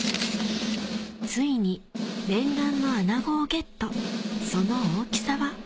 ついに念願のアナゴをＧＥＴその大きさは？